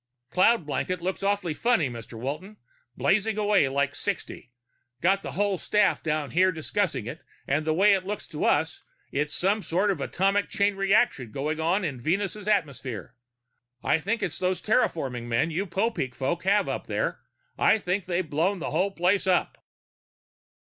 "Cloud blanket looks awfully funny, Mr. Walton. Blazing away like sixty. Got the whole staff down here to discuss it, and the way it looks to us there's some sort of atomic chain reaction going on in Venus' atmosphere. I think it's those terraforming men you Popeek folk have up there. I think they've blown the whole place up!"